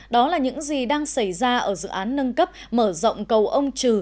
đó là những gì đang xảy ra ở dự án nâng cấp mở rộng cầu ông trừ